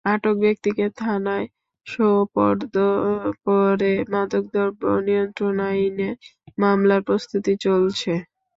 আটক ব্যক্তিকে থানায় সোপর্দ করে মাদকদ্রব্য নিয়ন্ত্রণ আইনে মামলার প্রস্তুতি চলছে।